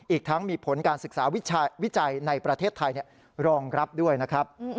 อีกทั้งมีผลการศึกษาวิจัยในประเทศไทยรองรับด้วยนะครับ